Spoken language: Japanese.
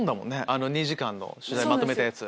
あの２時間の取材まとめたやつ。